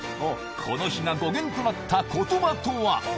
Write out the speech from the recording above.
この火が語源となった言葉とは？